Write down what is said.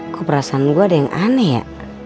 kok perasaan gue ada yang aneh ya